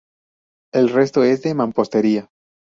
El resto es de mampostería.